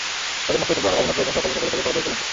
তাদের মস্তক থাকবে অবনত এবং সকলের কপালে থাকবে পরাজয়ের কলংক।